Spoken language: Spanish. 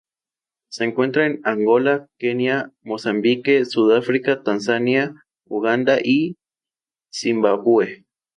Se encuentra en Angola, Kenia, Mozambique, Sudáfrica, Tanzania, Uganda y Zimbabue.